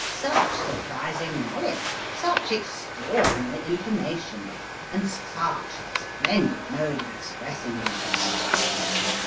Such surprising knowledge! such extraordinary information! and such a splendid mode of expressing himself!